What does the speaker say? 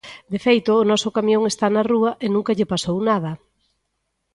De feito, o noso camión está na rúa e nunca lle pasou nada.